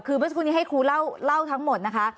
คือเมื่อสักครู่นี้ให้ครูเล่าทั้งหมดนะคะ